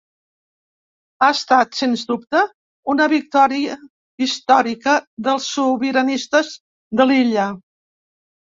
Ha estat, sens dubte, una victòria històrica dels sobiranistes de l’illa.